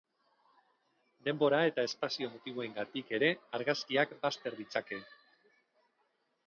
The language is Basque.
Denbora eta espazio motiboengatik ere argazkiak bazter ditzake.